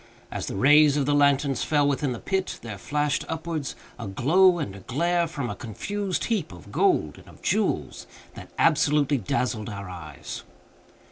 As the rays of the lanterns fell within the pit, there flashed upwards a glow and a glare, from a confused heap of gold and of jewels, that absolutely dazzled our eyes.